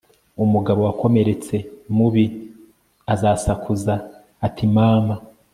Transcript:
umugabo wakomeretse mubi azasakuza ati mama